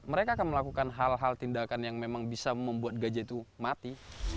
mereka akan melakukan hal hal tindakan yang memang bisa membuat gajah itu mati